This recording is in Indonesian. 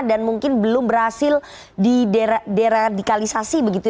dan mungkin belum berhasil dideradikalisasi